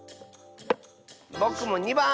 ぼくも２ばん！